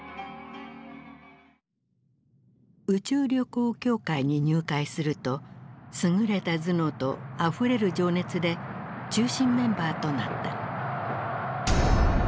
宇宙旅行協会に入会すると優れた頭脳とあふれる情熱で中心メンバーとなった。